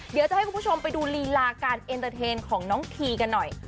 เดี๋ยวจะให้คุณผู้ชมไปดูลีลาการเอ็นเตอร์เทนของน้องทีกันหน่อย